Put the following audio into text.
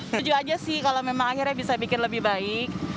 setuju aja sih kalau memang akhirnya bisa bikin lebih baik